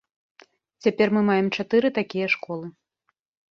Цяпер мы маем чатыры такія школы.